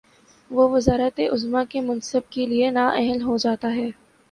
وہ وزارت عظمی کے منصب کے لیے نااہل ہو جا تا ہے۔